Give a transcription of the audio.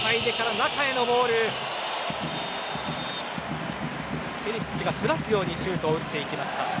中へのボールはペリシッチがすらすようにシュートを打っていきました。